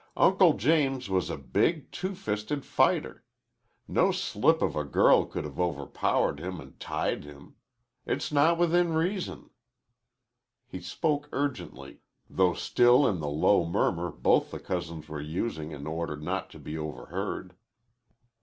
"Uncle James was a big, two fisted fighter. No slip of a girl could have overpowered him an' tied him. It's not within reason." He spoke urgently, though still in the low murmur both the cousins were using in order not to be overheard.